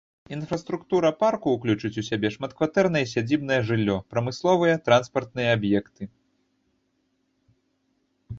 Інфраструктура парку ўключыць у сябе шматкватэрнае і сядзібнае жыллё, прамысловыя, транспартныя аб'екты.